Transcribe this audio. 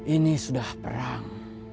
ini sudah perang